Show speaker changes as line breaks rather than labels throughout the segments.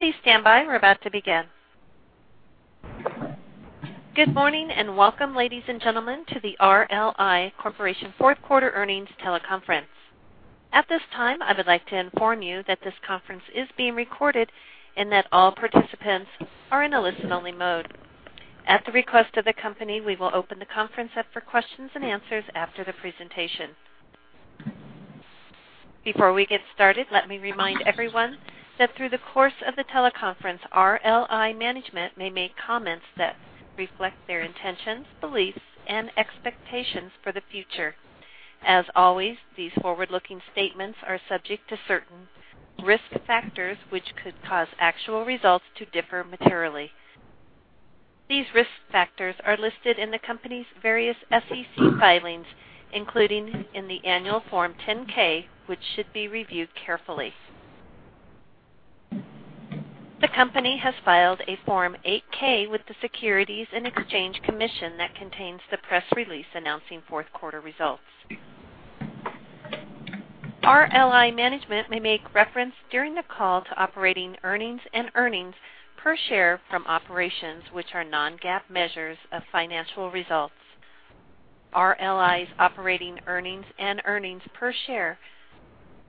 Please stand by. We're about to begin. Good morning, and welcome, ladies and gentlemen, to the RLI Corp. fourth quarter earnings teleconference. At this time, I would like to inform you that this conference is being recorded, and that all participants are in a listen-only mode. At the request of the company, we will open the conference up for questions and answers after the presentation. Before we get started, let me remind everyone that through the course of the teleconference, RLI management may make comments that reflect their intentions, beliefs, and expectations for the future. As always, these forward-looking statements are subject to certain risk factors which could cause actual results to differ materially. These risk factors are listed in the company's various SEC filings, including in the annual Form 10-K, which should be reviewed carefully. The company has filed a Form 8-K with the Securities and Exchange Commission that contains the press release announcing fourth quarter results. RLI management may make reference during the call to operating earnings and earnings per share from operations, which are non-GAAP measures of financial results. RLI's operating earnings and earnings per share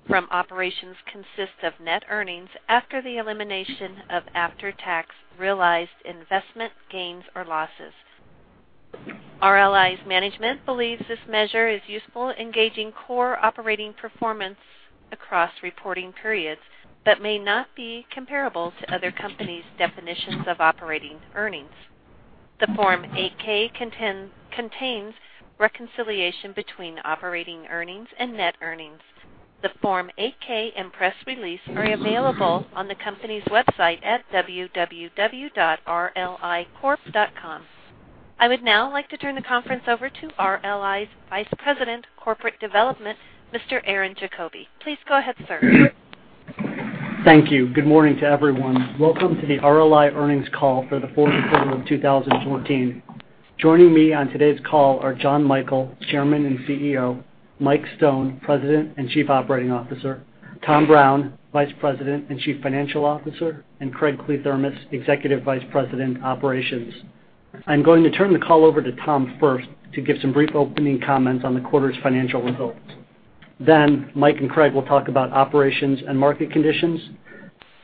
from operations consist of net earnings after the elimination of after-tax realized investment gains or losses. RLI's management believes this measure is useful in gauging core operating performance across reporting periods but may not be comparable to other companies' definitions of operating earnings. The Form 8-K contains reconciliation between operating earnings and net earnings. The Form 8-K and press release are available on the company's website at www.rlicorp.com. I would now like to turn the conference over to RLI's Vice President, Corporate Development, Mr. Aaron Jacoby. Please go ahead, sir.
Thank you. Good morning to everyone. Welcome to the RLI earnings call for the fourth quarter of 2014. Joining me on today's call are Jon Michael, Chairman and CEO, Mike Stone, President and Chief Operating Officer, Tom Brown, Vice President and Chief Financial Officer, and Craig Kliethermes, Executive Vice President, Operations. I'm going to turn the call over to Tom first to give some brief opening comments on the quarter's financial results. Mike and Craig will talk about operations and market conditions.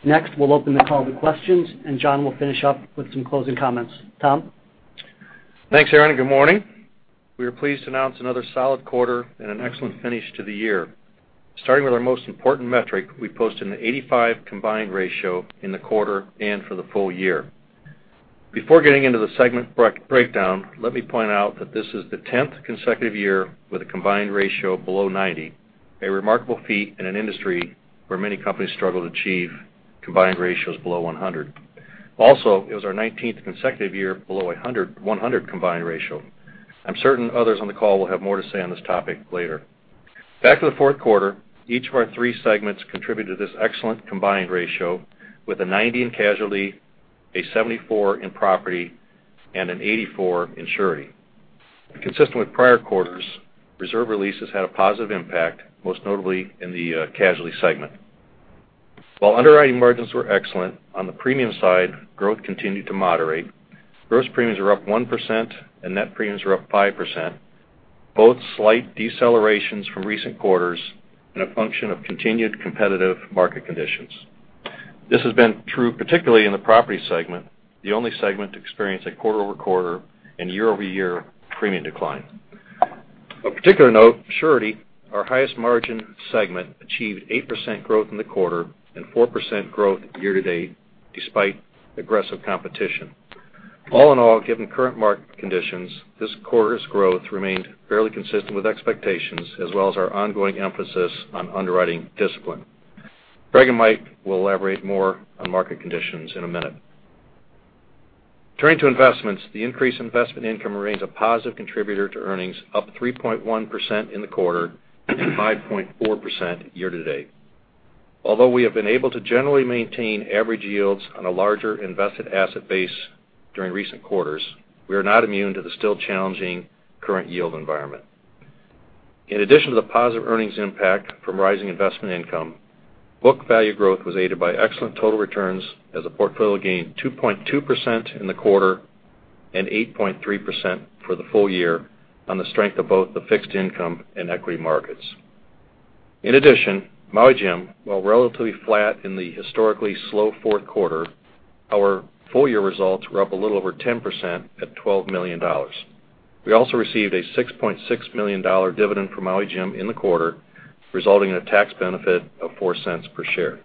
Next, we'll open the call to questions, John will finish up with some closing comments. Tom?
Thanks, Aaron, good morning. We are pleased to announce another solid quarter and an excellent finish to the year. Starting with our most important metric, we posted an 85% combined ratio in the quarter and for the full year. Before getting into the segment breakdown, let me point out that this is the tenth consecutive year with a combined ratio below 90%, a remarkable feat in an industry where many companies struggle to achieve combined ratios below 100%. Also, it was our 19th consecutive year below 100% combined ratio. I'm certain others on the call will have more to say on this topic later. Back to the fourth quarter, each of our three segments contributed to this excellent combined ratio with a 90% in casualty, a 74% in property, and an 84% in surety. Consistent with prior quarters, reserve releases had a positive impact, most notably in the casualty segment. While underwriting margins were excellent, on the premium side, growth continued to moderate. Gross premiums were up 1%, and net premiums were up 5%, both slight decelerations from recent quarters and a function of continued competitive market conditions. This has been true particularly in the property segment, the only segment to experience a quarter-over-quarter and year-over-year premium decline. Of particular note, surety, our highest margin segment, achieved 8% growth in the quarter and 4% growth year to date, despite aggressive competition. All in all, given current market conditions, this quarter's growth remained fairly consistent with expectations, as well as our ongoing emphasis on underwriting discipline. Craig and Mike will elaborate more on market conditions in a minute. Turning to investments, the increased investment income remains a positive contributor to earnings, up 3.1% in the quarter and 5.4% year to date. Although we have been able to generally maintain average yields on a larger invested asset base during recent quarters, we are not immune to the still challenging current yield environment. In addition to the positive earnings impact from rising investment income, book value growth was aided by excellent total returns as the portfolio gained 2.2% in the quarter and 8.3% for the full year on the strength of both the fixed income and equity markets. In addition, Maui Jim, while relatively flat in the historically slow fourth quarter, our full-year results were up a little over 10% at $12 million. We also received a $6.6 million dividend from Maui Jim in the quarter, resulting in a tax benefit of $0.04 per share.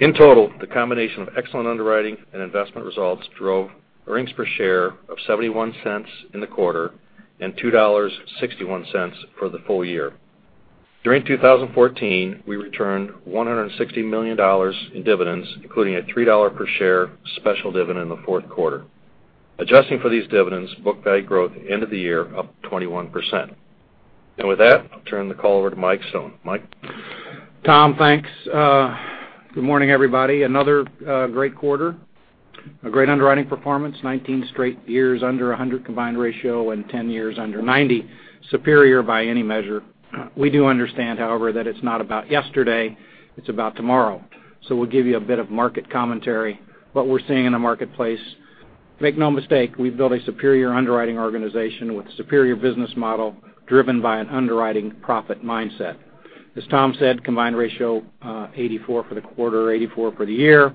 In total, the combination of excellent underwriting and investment results drove earnings per share of $0.71 in the quarter and $2.61 for the full year. During 2014, we returned $160 million in dividends, including a $3 per share special dividend in the fourth quarter. Adjusting for these dividends, book value growth end of the year up 21%. With that, I'll turn the call over to Michael Stone. Mike?
Tom, thanks. Good morning, everybody. Another great quarter. A great underwriting performance, 19 straight years under 100 combined ratio and 10 years under 90. Superior by any measure. We do understand, however, that it's not about yesterday, it's about tomorrow. We'll give you a bit of market commentary, what we're seeing in the marketplace. Make no mistake, we've built a superior underwriting organization with superior business model driven by an underwriting profit mindset. As Tom said, combined ratio, 84 for the quarter, 84 for the year.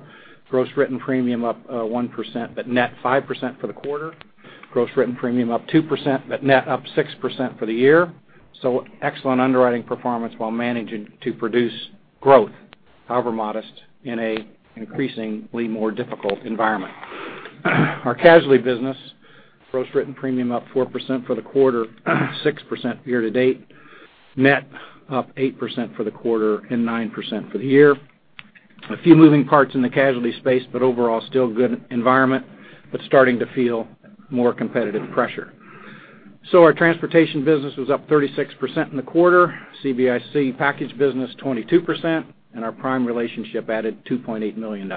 Gross written premium up 1%, but net 5% for the quarter. Gross written premium up 2%, but net up 6% for the year. Excellent underwriting performance while managing to produce growth, however modest, in an increasingly more difficult environment. Our casualty business, gross written premium up 4% for the quarter, 6% year to date, net up 8% for the quarter and 9% for the year. A few moving parts in the casualty space, overall still good environment, but starting to feel more competitive pressure. Our transportation business was up 36% in the quarter, CBIC package business 22%, and our prime relationship added $2.8 million.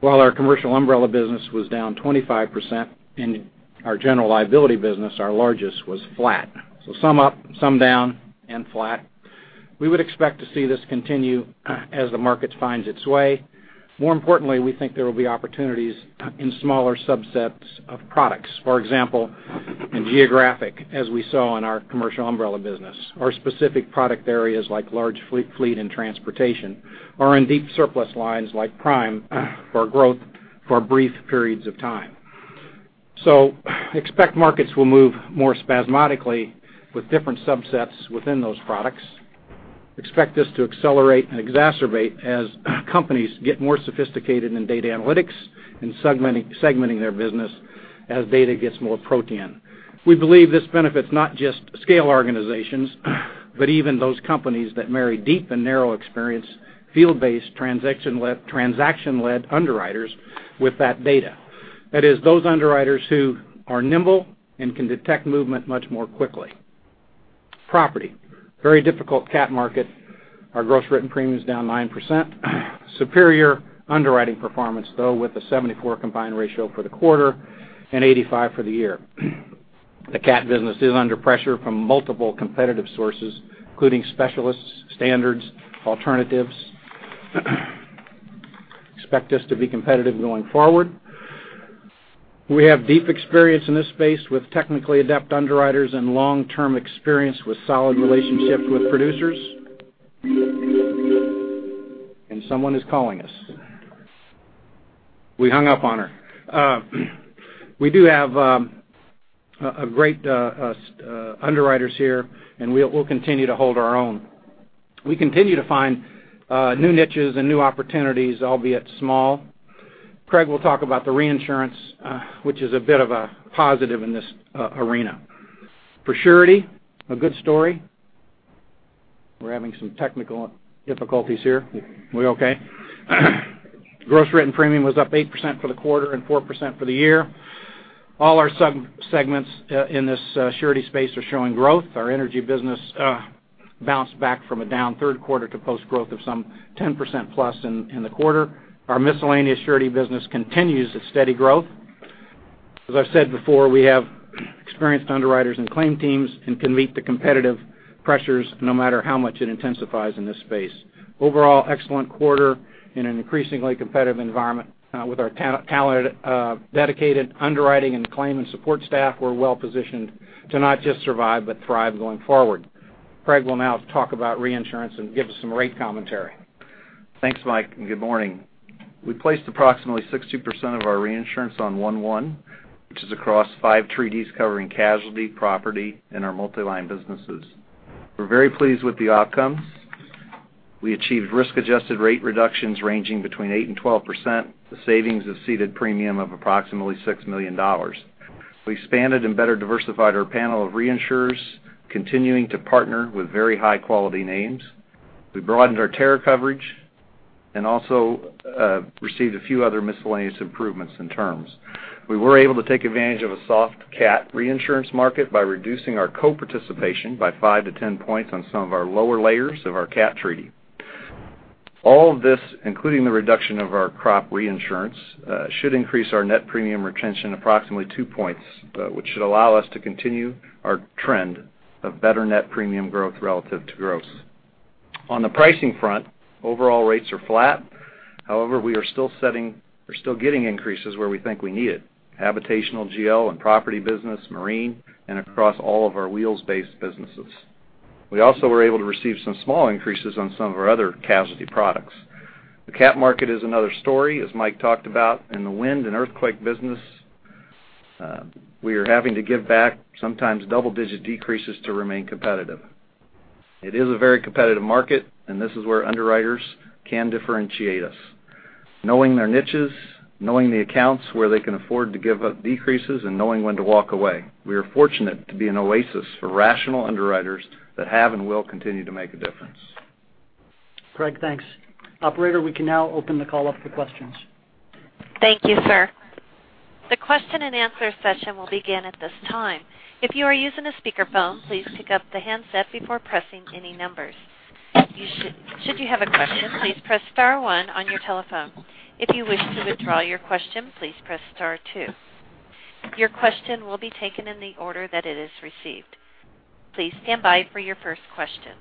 While our commercial umbrella business was down 25% and our general liability business, our largest, was flat. Some up, some down, and flat. We would expect to see this continue as the market finds its way. More importantly, we think there will be opportunities in smaller subsets of products. For example, in geographic, as we saw in our commercial umbrella business, or specific product areas like large fleet and transportation, or in deep surplus lines like prime for our growth for brief periods of time. Expect markets will move more spasmodically with different subsets within those products. Expect this to accelerate and exacerbate as companies get more sophisticated in data analytics and segmenting their business as data gets more protean. We believe this benefits not just scale organizations, but even those companies that marry deep and narrow experience, field-based, transaction-led underwriters with that data. That is, those underwriters who are nimble and can detect movement much more quickly. Property. Very difficult cat market. Our gross written premium is down 9%. Superior underwriting performance, though, with a 74 combined ratio for the quarter and 85 for the year. The cat business is under pressure from multiple competitive sources, including specialists, standards, alternatives. Expect us to be competitive going forward. We have deep experience in this space with technically adept underwriters and long-term experience with solid relationships with producers. Someone is calling us. We hung up on her. We do have great underwriters here and we'll continue to hold our own. We continue to find new niches and new opportunities, albeit small. Craig will talk about the reinsurance, which is a bit of a positive in this arena. For surety, a good story. We're having some technical difficulties here. We okay? Gross written premium was up 8% for the quarter and 4% for the year. All our sub-segments in this surety space are showing growth. Our energy business bounced back from a down third quarter to post growth of some 10% plus in the quarter. Our miscellaneous surety business continues its steady growth. As I've said before, we have experienced underwriters and claim teams and can meet the competitive pressures no matter how much it intensifies in this space. Overall, excellent quarter in an increasingly competitive environment with our talented, dedicated underwriting and claim and support staff, we're well positioned to not just survive, but thrive going forward. Craig will now talk about reinsurance and give us some rate commentary.
Thanks, Mike, and good morning. We placed approximately 60% of our reinsurance on 1/1, which is across five treaties covering casualty, property, and our multi-line businesses. We are very pleased with the outcomes. We achieved risk-adjusted rate reductions ranging between 8% and 12%, the savings of ceded premium of approximately $6 million. We expanded and better diversified our panel of reinsurers, continuing to partner with very high-quality names. We broadened our terror coverage and also received a few other miscellaneous improvements and terms. We were able to take advantage of a soft cat reinsurance market by reducing our co-participation by 5 to 10 points on some of our lower layers of our cat treaty. All of this, including the reduction of our crop reinsurance, should increase our net premium retention approximately two points, which should allow us to continue our trend of better net premium growth relative to gross. On the pricing front, overall rates are flat. However, we are still getting increases where we think we need it. Habitational GL and property business, marine, and across all of our wheels-based businesses. We also were able to receive some small increases on some of our other casualty products. The cat market is another story, as Mike talked about, in the wind and earthquake business. We are having to give back sometimes double-digit decreases to remain competitive. It is a very competitive market, and this is where underwriters can differentiate us. Knowing their niches, knowing the accounts where they can afford to give up decreases, and knowing when to walk away. We are fortunate to be an oasis for rational underwriters that have and will continue to make a difference.
Craig, thanks. Operator, we can now open the call up for questions.
Thank you.
The question and answer session will begin at this time. If you are using a speakerphone, please pick up the handset before pressing any numbers. Should you have a question, please press star one on your telephone. If you wish to withdraw your question, please press star two. Your question will be taken in the order that it is received. Please stand by for your first question.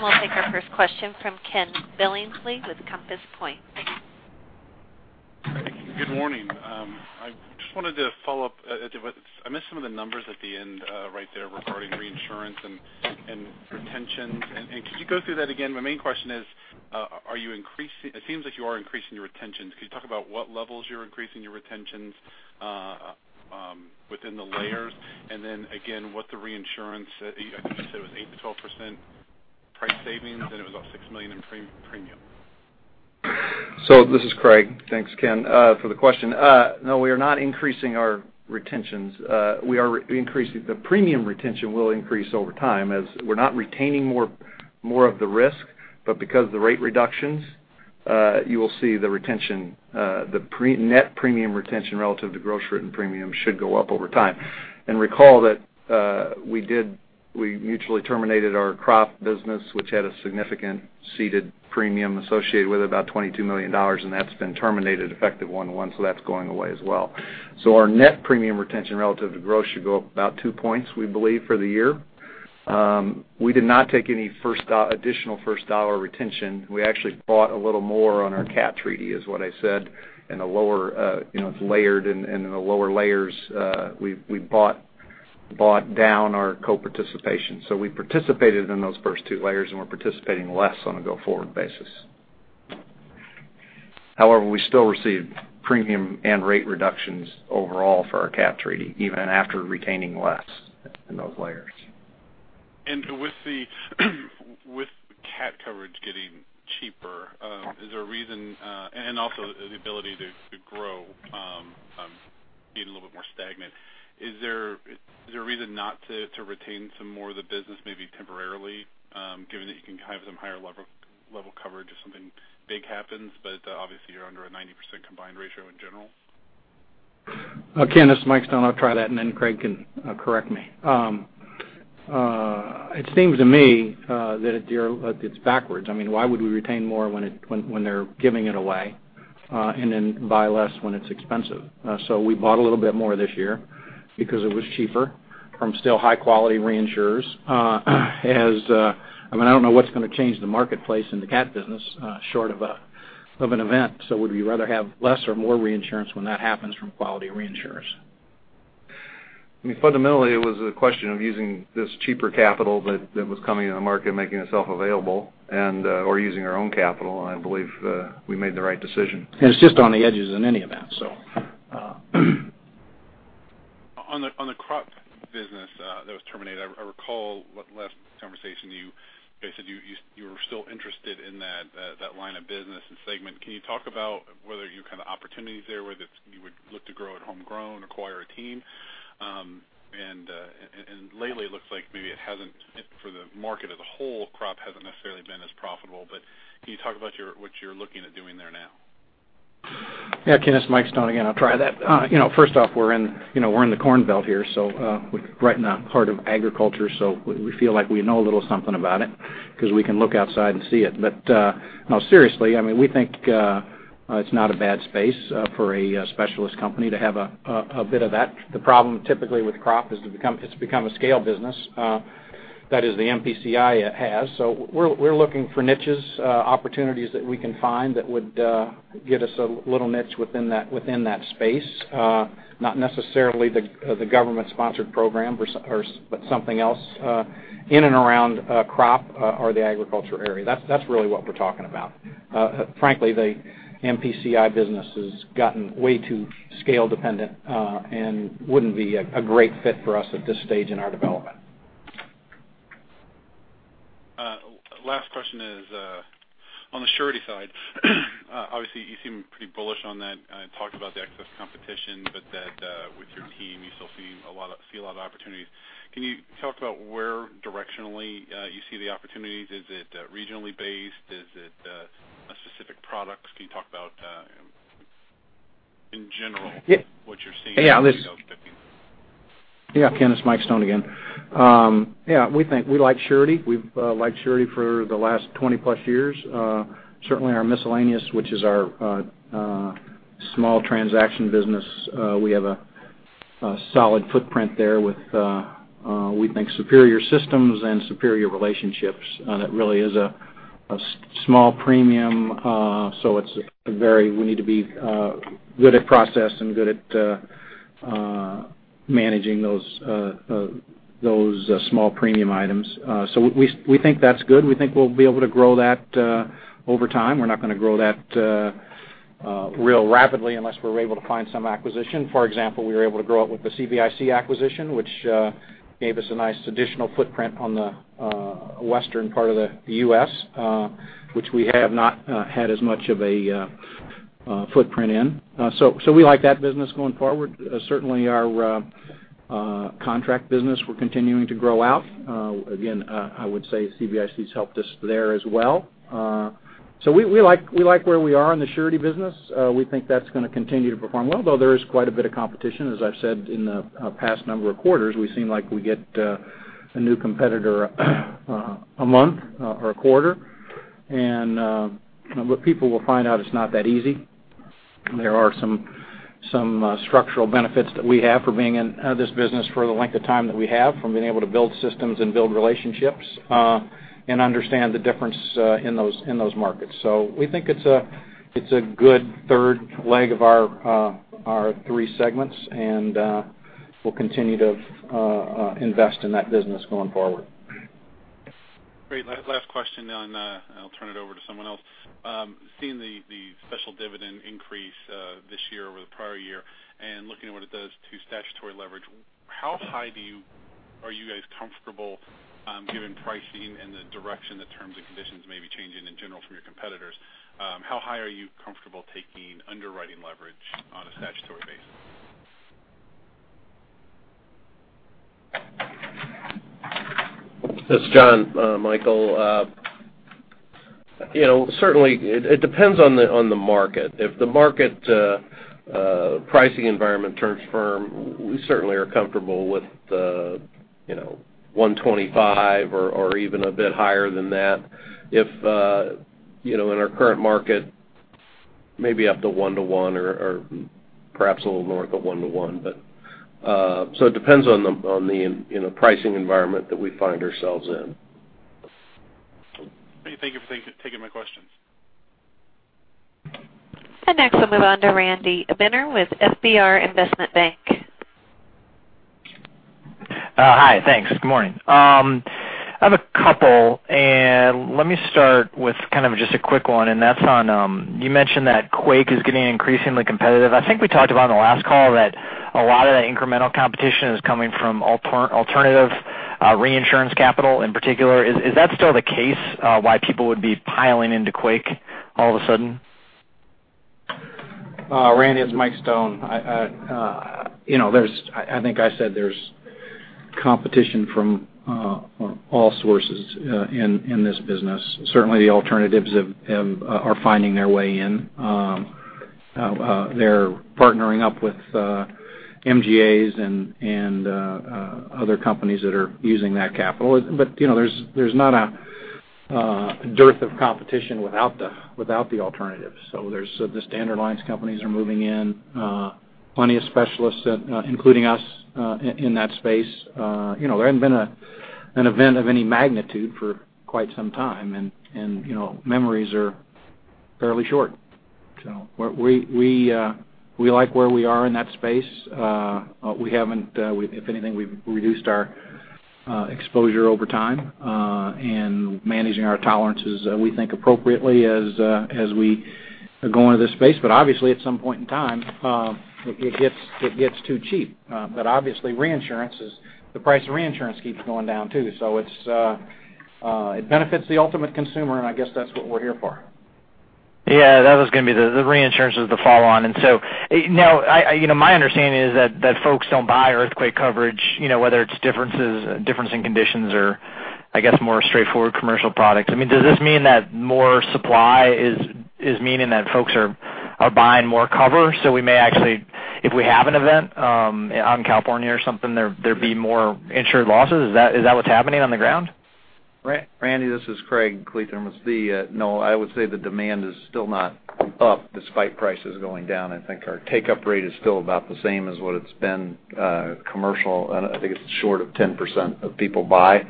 We'll take our first question from Ken Billingsley with Compass Point.
Thank you. Good morning. I just wanted to follow up. I missed some of the numbers at the end right there regarding reinsurance and retentions. Could you go through that again? My main question is, it seems like you are increasing your retentions. Could you talk about what levels you're increasing your retentions within the layers? Then again, what the reinsurance, I think you said it was 8%-12% price savings, and it was about $6 million in premium.
This is Craig. Thanks, Ken, for the question. No, we are not increasing our retentions. The premium retention will increase over time as we're not retaining more of the risk, but because of the rate reductions, you will see the net premium retention relative to gross written premium should go up over time. Recall that we mutually terminated our crop business, which had a significant ceded premium associated with about $22 million, and that's been terminated effective 1/1, so that's going away as well. Our net premium retention relative to gross should go up about two points, we believe, for the year. We did not take any additional first dollar retention. We actually bought a little more on our cat treaty, is what I said, and it's layered in the lower layers. We bought down our co-participation.
We participated in those first 2 layers, and we're participating less on a go-forward basis. However, we still received premium and rate reductions overall for our cat treaty, even after retaining less in those layers.
With cat coverage getting cheaper, and also the ability to grow being a little bit more stagnant, is there a reason not to retain some more of the business, maybe temporarily, given that you can have some higher level coverage if something big happens, but obviously you're under a 90% combined ratio in general?
Ken, this is Michael Stone. I'll try that, then Craig can correct me. It seems to me that it's backwards. Why would we retain more when they're giving it away, then buy less when it's expensive? We bought a little bit more this year because it was cheaper from still high quality reinsurers. I don't know what's going to change the marketplace in the cat business short of an event. Would we rather have less or more reinsurance when that happens from quality reinsurers? Fundamentally, it was a question of using this cheaper capital that was coming in the market and making itself available, or using our own capital, and I believe we made the right decision. It's just on the edges in any event.
On the crop business that was terminated, I recall last conversation you guys said you were still interested in that line of business and segment. Can you talk about whether you have opportunities there, whether you would look to grow it homegrown, acquire a team? Lately, it looks like maybe for the market as a whole, crop hasn't necessarily been as profitable. Can you talk about what you're looking at doing there now?
Ken, this is Michael Stone again. I'll try that. First off, we're in the corn belt here, so right in the heart of agriculture. We feel like we know a little something about it because we can look outside and see it. No, seriously, we think it's not a bad space for a specialist company to have a bit of that. The problem typically with crop is it's become a scale business. That is, the MPCI it has. We're looking for niches, opportunities that we can find that would get us a little niche within that space. Not necessarily the government sponsored program, but something else in and around crop or the agriculture area. That's really what we're talking about. Frankly, the MPCI business has gotten way too scale dependent and wouldn't be a great fit for us at this stage in our development.
Last question is on the surety side. Obviously, you seem pretty bullish on that. You talked about the excess competition, that with your team, you still see a lot of opportunities. Can you talk about where directionally you see the opportunities? Is it regionally based? Is it specific products? Can you talk about in general what you're seeing in 2015?
Ken, it's Mike Stone again. We like surety. We've liked surety for the last 20+ years. Certainly our miscellaneous, which is our small transaction business, we have a solid footprint there with, we think, superior systems and superior relationships. That really is a small premium, we need to be good at process and good at managing those small premium items. We think that's good. We think we'll be able to grow that over time. We're not going to grow that real rapidly unless we're able to find some acquisition. For example, we were able to grow it with the CBIC acquisition, which gave us a nice additional footprint on the western part of the U.S., which we have not had as much of a footprint in. We like that business going forward. Certainly our contract business, we're continuing to grow out. Again, I would say CBIC has helped us there as well. We like where we are in the surety business. We think that's going to continue to perform well, though there is quite a bit of competition, as I've said in the past number of quarters. We seem like we get a new competitor a month or a quarter. What people will find out, it's not that easy. There are some structural benefits that we have for being in this business for the length of time that we have, from being able to build systems and build relationships, and understand the difference in those markets. We think it's a good third leg of our three segments, and we'll continue to invest in that business going forward.
Great. Last question, I'll turn it over to someone else. Seeing the special dividend increase this year over the prior year, looking at what it does to statutory leverage, how high are you guys comfortable, given pricing and the direction the terms and conditions may be changing in general from your competitors? How high are you comfortable taking underwriting leverage on a statutory basis?
This is John Michael. Certainly, it depends on the market. If the market pricing environment turns firm, we certainly are comfortable with 125 or even a bit higher than that. In our current market, maybe up to one to one or perhaps a little north of one to one. It depends on the pricing environment that we find ourselves in.
Great. Thank you for taking my questions.
Next we'll move on to Randy Binner with FBR Capital Markets.
Hi, thanks. Good morning. I have a couple. Let me start with kind of just a quick one. That's on, you mentioned that quake is getting increasingly competitive. I think we talked about on the last call that a lot of the incremental competition is coming from alternative reinsurance capital in particular. Is that still the case, why people would be piling into quake all of a sudden?
Randy, it's Michael Stone. I think I said there's competition from all sources in this business. Certainly the alternatives are finding their way in. They're partnering up with MGAs and other companies that are using that capital. There's not a dearth of competition without the alternatives. The standard lines companies are moving in. Plenty of specialists, including us, in that space. There hasn't been an event of any magnitude for quite some time, and memories are fairly short. We like where we are in that space. If anything, we've reduced our exposure over time, and managing our tolerances, we think appropriately as we go into this space. Obviously at some point in time it gets too cheap. Obviously the price of reinsurance keeps going down, too. It benefits the ultimate consumer, and I guess that's what we're here for.
Yeah, that was going to be the reinsurance is the follow on. Now my understanding is that folks don't buy earthquake coverage, whether it's difference in conditions or I guess more straightforward commercial products. Does this mean that more supply is meaning that folks are buying more cover? We may actually, if we have an event out in California or something, there'd be more insured losses. Is that what's happening on the ground?
Randy, this is Craig Kliethermes. No, I would say the demand is still not up despite prices going down. I think our take-up rate is still about the same as what it's been commercial. I think it's short of 10% of people buy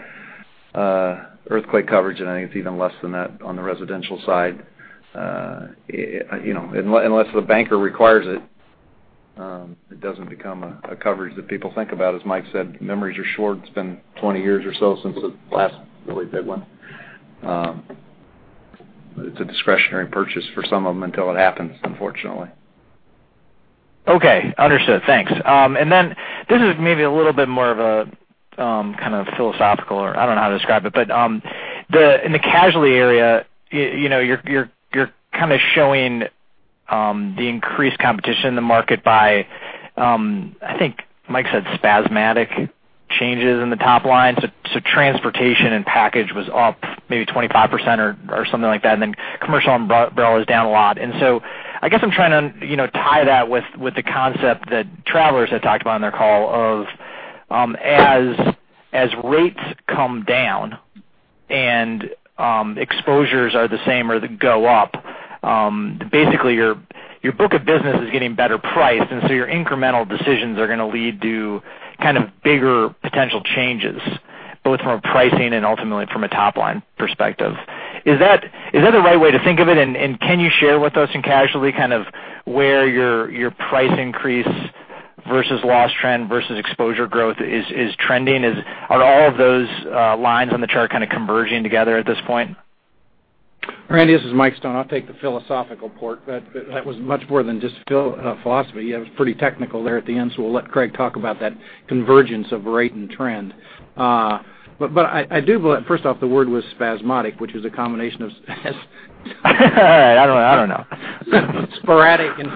earthquake coverage, and I think it's even less than that on the residential side. Unless the banker requires it doesn't become a coverage that people think about. As Mike said, memories are short. It's been 20 years or so since the last really big one. It's a discretionary purchase for some of them until it happens, unfortunately.
Okay, understood. Thanks. This is maybe a little bit more of a kind of philosophical or I don't know how to describe it, but in the casualty area, you're kind of showing the increased competition in the market by, I think Mike said spasmodic changes in the top line. Transportation and package was up maybe 25% or something like that, and then commercial umbrella is down a lot. I guess I'm trying to tie that with the concept that Travelers had talked about on their call of as rates come down and exposures are the same or go up, basically your book of business is getting better priced, and so your incremental decisions are going to lead to kind of bigger potential changes, both from a pricing and ultimately from a top-line perspective. Is that the right way to think of it? Can you share with us in casualty kind of where your price increase versus loss trend versus exposure growth is trending? Are all of those lines on the chart kind of converging together at this point?
Randy, this is Michael Stone. I'll take the philosophical part. That was much more than just philosophy. You have it pretty technical there at the end, so we'll let Craig talk about that convergence of rate and trend. I do believe, first off, the word was spasmodic, which is a combination of
I don't know.
Sporadic and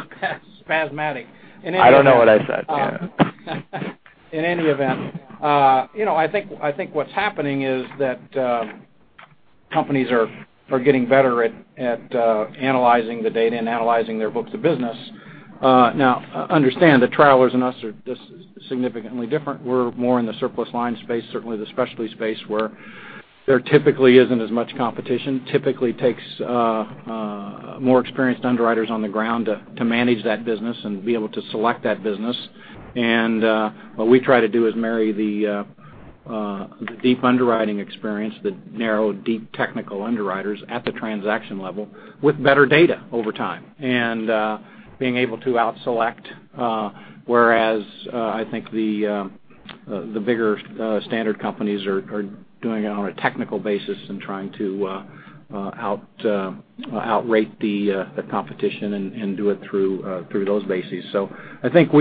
spasmatic. In any event. I don't know what I said. Yeah. In any event, I think what's happening is that companies are getting better at analyzing the data and analyzing their books of business. Now, understand that Travelers and us are just significantly different. We're more in the surplus line space, certainly the specialty space, where there typically isn't as much competition, typically takes more experienced underwriters on the ground to manage that business and be able to select that business. What we try to do is marry the deep underwriting experience, the narrow, deep technical underwriters at the transaction level with better data over time, and being able to out-select, whereas I think the bigger standard companies are doing it on a technical basis and trying to outrate the competition and do it through those bases. I think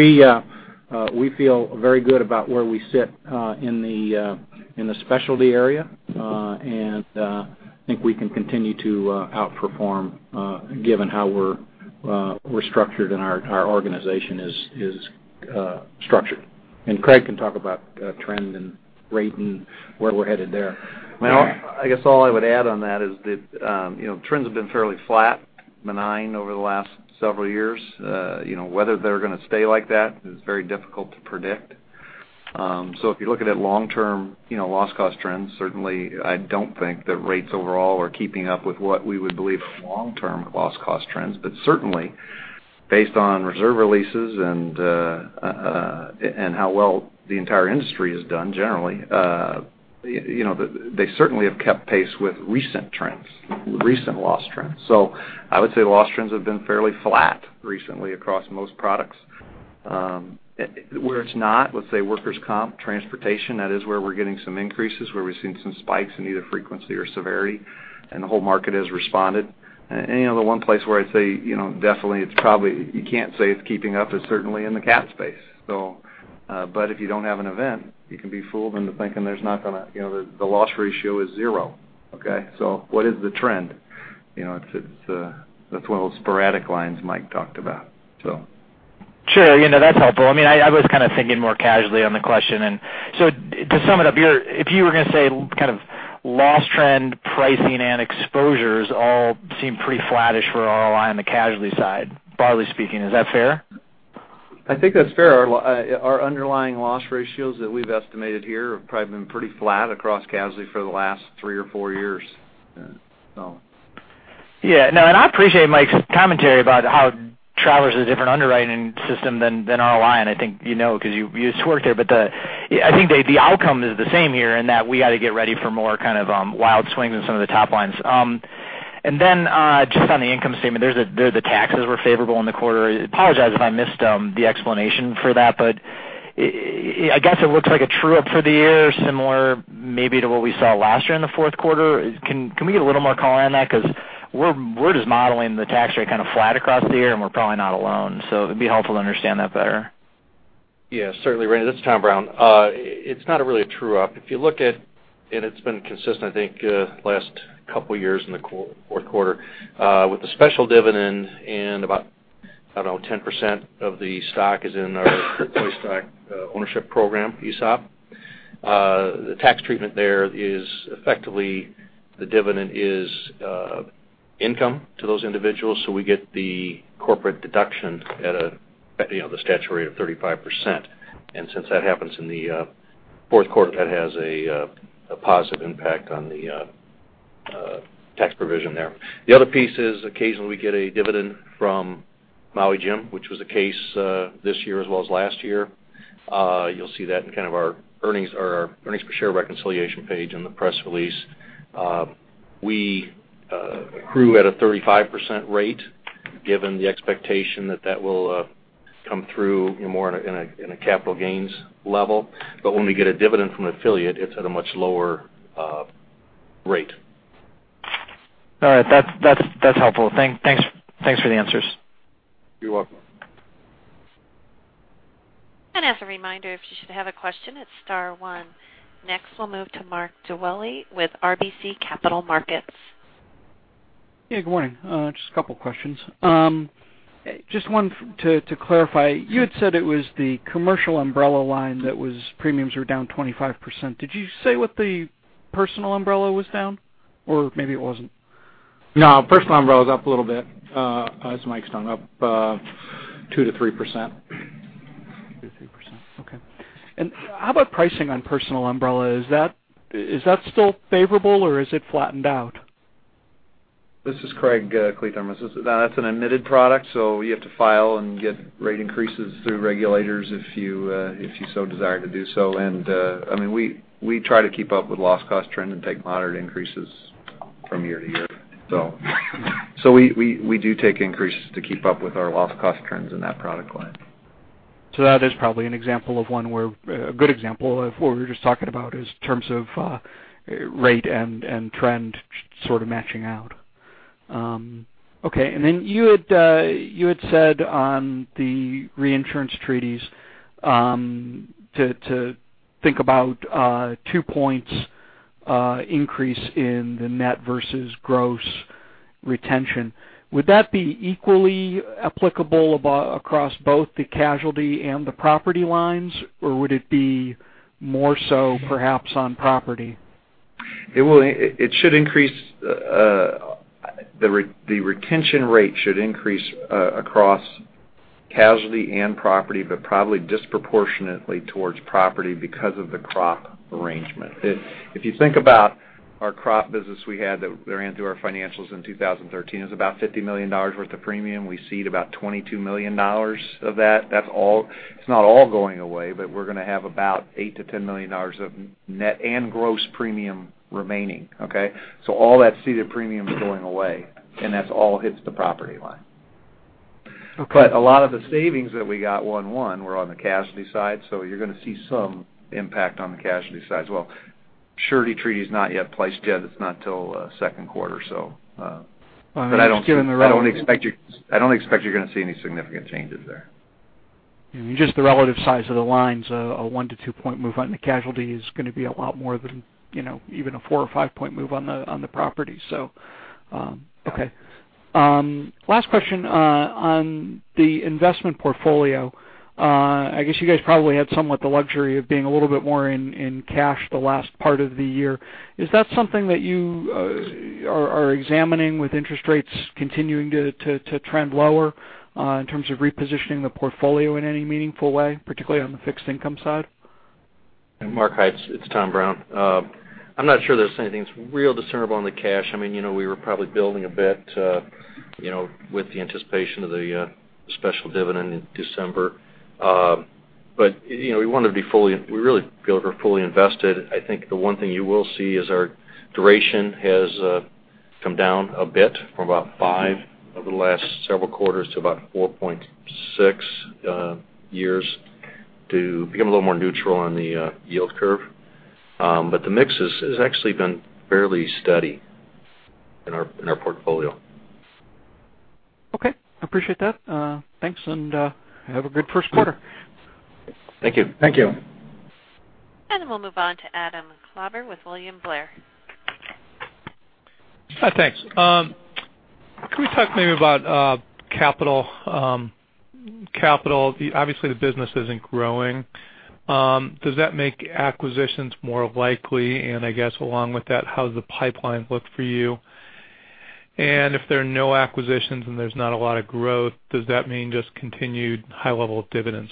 we feel very good about where we sit in the specialty area, and I think we can continue to outperform, given how we're structured and our organization is structured. Craig can talk about trend and rate and where we're headed there.
Well, I guess all I would add on that is that trends have been fairly flat, benign over the last several years. Whether they're going to stay like that is very difficult to predict. If you're looking at long-term loss cost trends, certainly, I don't think that rates overall are keeping up with what we would believe are long-term loss cost trends. Certainly, based on reserve releases and how well the entire industry has done generally, they certainly have kept pace with recent trends, recent loss trends. I would say loss trends have been fairly flat recently across most products. Where it's not, let's say workers' comp, transportation, that is where we're getting some increases, where we've seen some spikes in either frequency or severity, and the whole market has responded. The one place where I'd say definitely it's probably, you can't say it's keeping up is certainly in the cat space. If you don't have an event, you can be fooled into thinking the loss ratio is zero. Okay? What is the trend? That's one of those sporadic lines Mike talked about.
Sure. That's helpful. I was kind of thinking more casually on the question. To sum it up, if you were going to say kind of loss trend pricing and exposures all seem pretty flattish for RLI on the casualty side, broadly speaking, is that fair?
I think that's fair. Our underlying loss ratios that we've estimated here have probably been pretty flat across casualty for the last three or four years.
Yeah. No, I appreciate Mike's commentary about how Travelers is a different underwriting system than RLI, and I think you know because you used to work there. I think the outcome is the same here, in that we got to get ready for more kind of wild swings in some of the top lines. Just on the income statement, the taxes were favorable in the quarter. I apologize if I missed the explanation for that, but I guess it looks like a true-up for the year, similar maybe to what we saw last year in the fourth quarter. Can we get a little more color on that? We're just modeling the tax rate kind of flat across the year, and we're probably not alone, so it'd be helpful to understand that better.
Yeah, certainly. Randy, this is Tom Brown. It's not really a true-up. If you look at, it's been consistent, I think, last couple of years in the fourth quarter. With the special dividend and about 10% of the stock is in our employee stock ownership program, ESOP. The tax treatment there is effectively the dividend is income to those individuals, so we get the corporate deduction at the statutory of 35%. Since that happens in the fourth quarter, that has a positive impact on the tax provision there. The other piece is occasionally we get a dividend from Maui Jim, which was the case this year as well as last year. You'll see that in our earnings per share reconciliation page in the press release. We accrue at a 35% rate given the expectation that that will come through more in a capital gains level. When we get a dividend from an affiliate, it's at a much lower rate.
All right. That's helpful. Thanks for the answers.
You're welcome.
As a reminder, if you should have a question, it's star one. Next, we'll move to Mark Dwelle with RBC Capital Markets.
Yeah, good morning. Just a couple of questions. Just one to clarify. You had said it was the commercial umbrella line that was premiums were down 25%. Did you say what the personal umbrella was down? Or maybe it wasn't.
No, personal umbrella was up a little bit. As Mike said, it's up 2% to 3%.
2% to 3%. Okay. How about pricing on personal umbrella? Is that still favorable, or is it flattened out?
This is Craig Kliethermes. That's an admitted product, you have to file and get rate increases through regulators if you so desire to do so. We try to keep up with loss cost trend and take moderate increases from year to year. We do take increases to keep up with our loss cost trends in that product line.
That is probably a good example of what we were just talking about in terms of rate and trend sort of matching out. Okay. You had said on the reinsurance treaties to think about 2 points increase in the net versus gross retention. Would that be equally applicable across both the casualty and the property lines, or would it be more so perhaps on property?
The retention rate should increase across casualty and property, but probably disproportionately towards property because of the crop arrangement. If you think about our crop business we had that ran through our financials in 2013 has about $50 million worth of premium. We cede about $22 million of that. It's not all going away, but we're going to have about $8 million-$10 million of net and gross premium remaining. Okay? All that ceded premium is going away, and that all hits the property line. Okay. A lot of the savings that we got on one were on the casualty side, you're going to see some impact on the casualty side as well. Surety treaty is not yet placed yet. It's not till second quarter. I don't expect you're going to see any significant changes there.
Okay. Just the relative size of the lines, a one to two point move on the casualty is going to be a lot more than even a four or five point move on the property. Last question, on the investment portfolio. I guess you guys probably had somewhat the luxury of being a little bit more in cash the last part of the year. Is that something that you are examining with interest rates continuing to trend lower in terms of repositioning the portfolio in any meaningful way, particularly on the fixed income side?
Mark, hi, it's Tom Brown. I'm not sure there's anything that's real discernible on the cash. We were probably building a bit with the anticipation of the special dividend in December. We want to be fully invested. I think the one thing you will see is our duration has come down a bit from about 5 over the last several quarters to about 4.6 years to become a little more neutral on the yield curve. The mix has actually been fairly steady in our portfolio.
Okay. I appreciate that. Thanks, and have a good first quarter.
Thank you.
Thank you.
We'll move on to Adam Klauber with William Blair.
Hi, thanks. Can we talk maybe about capital? Obviously, the business isn't growing. Does that make acquisitions more likely? I guess along with that, how does the pipeline look for you? If there are no acquisitions and there's not a lot of growth, does that mean just continued high level of dividends?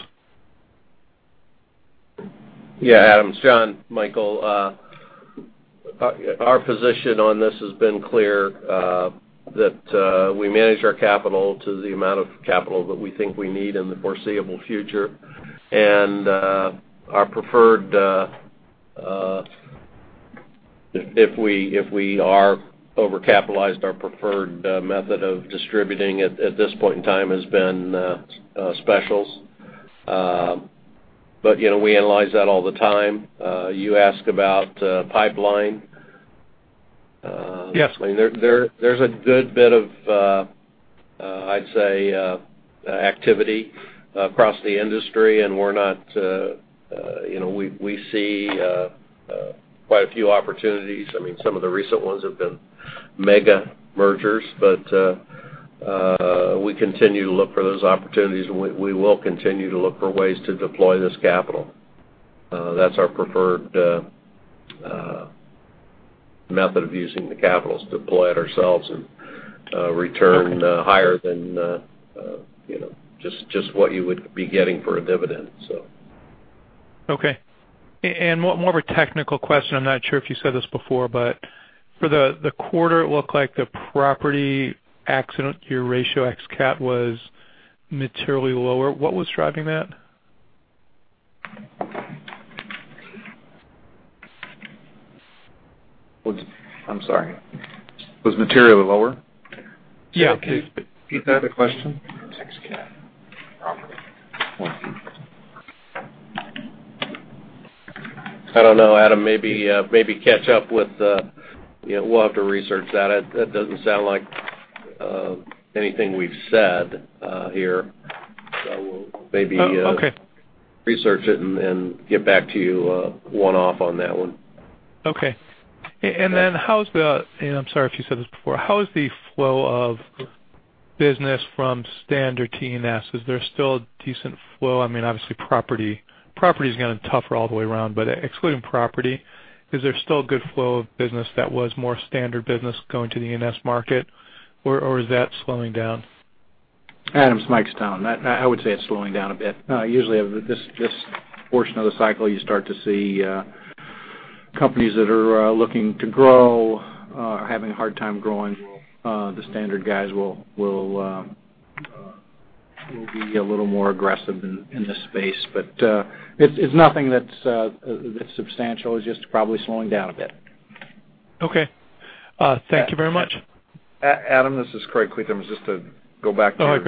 Yeah, Adam, it's Jonathan Michael. Our position on this has been clear, that we manage our capital to the amount of capital that we think we need in the foreseeable future. If we are over-capitalized, our preferred method of distributing at this point in time has been specials. We analyze that all the time. You ask about pipeline. Yes. There's a good bit of, I'd say, activity across the industry, and we see quite a few opportunities. Some of the recent ones have been mega mergers, but we continue to look for those opportunities, and we will continue to look for ways to deploy this capital. That's our preferred method of using the capital, is deploy it ourselves and return higher than just what you would be getting for a dividend, so.
Okay. More of a technical question. I'm not sure if you said this before, but for the quarter, it looked like the property accident, your ratio ex cat was materially lower. What was driving that?
I'm sorry. Was materially lower? Yeah. Could you repeat that question?
Ex cat property.
I don't know, Adam, maybe catch up with the. We'll have to research that. That doesn't sound like anything we've said here.
Oh, okay.
We'll research it and get back to you one off on that one.
Okay. How's the, and I'm sorry if you said this before, how is the flow of business from standard E&S? Is there still a decent flow? Obviously property is kind of tougher all the way around. Excluding property, is there still a good flow of business that was more standard business going to the E&S market, or is that slowing down?
Adam, it's Michael Stone. I would say it's slowing down a bit. Usually, this portion of the cycle, you start to see companies that are looking to grow are having a hard time growing. The standard guys will be a little more aggressive in this space. It's nothing that's substantial. It's just probably slowing down a bit.
Okay. Thank you very much.
Adam, this is Craig Kliethermes, just to go back to your other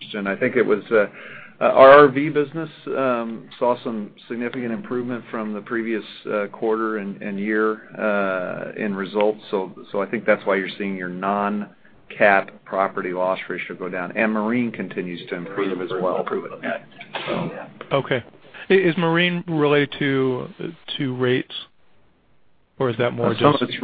question. Oh, okay. I think it was our RV business saw some significant improvement from the previous quarter and year in results. I think that's why you're seeing your non-cat property loss ratio go down, and marine continues to improve as well.
Okay. Is marine related to rates or is that more just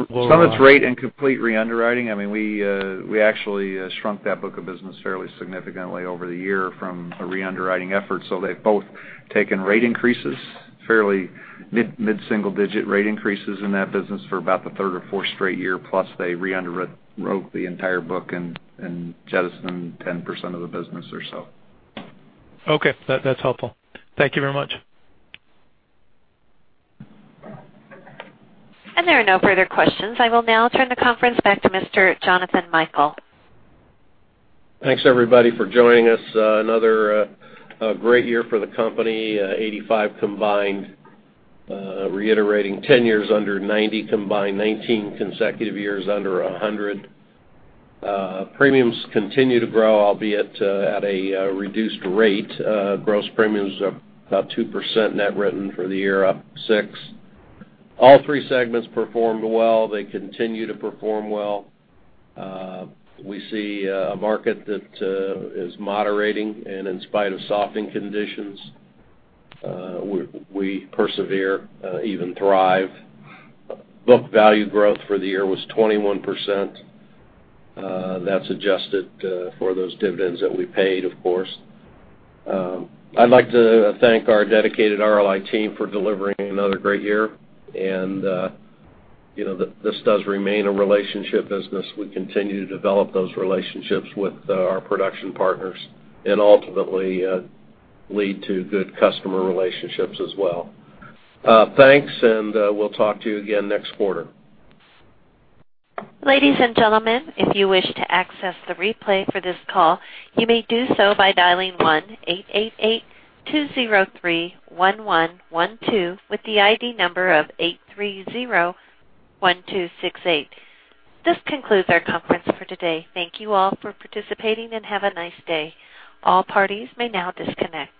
lower
Some it's rate and complete re-underwriting. We actually shrunk that book of business fairly significantly over the year from a re-underwriting effort. They've both taken rate increases, fairly mid-single digit rate increases in that business for about the third or fourth straight year. Plus, they rewrote the entire book and jettisoned 10% of the business or so.
Okay. That's helpful. Thank you very much.
There are no further questions. I will now turn the conference back to Mr. Jonathan Michael.
Thanks, everybody, for joining us. Another great year for the company, 85% combined, reiterating 10 years under 90% combined, 19 consecutive years under 100%. Premiums continue to grow, albeit at a reduced rate. Gross premiums are about 2% net written for the year, up 6%. All three segments performed well. They continue to perform well. We see a market that is moderating, in spite of softening conditions, we persevere, even thrive. Book value growth for the year was 21%. That's adjusted for those dividends that we paid, of course. I'd like to thank our dedicated RLI team for delivering another great year. This does remain a relationship business. We continue to develop those relationships with our production partners and ultimately lead to good customer relationships as well. Thanks, we'll talk to you again next quarter.
Ladies and gentlemen, if you wish to access the replay for this call, you may do so by dialing 1-888-203-1112 with the ID number of 8301268. This concludes our conference for today. Thank you all for participating and have a nice day. All parties may now disconnect.